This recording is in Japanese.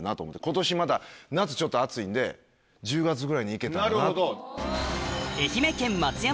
今年また夏ちょっと暑いんで１０月ぐらいに行けたらなって。